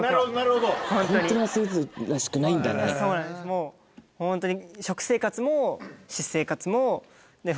もうホントに。